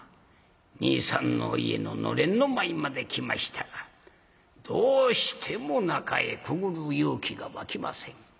兄さんの家の暖簾の前まで来ましたがどうしても中へくぐる勇気が湧きません。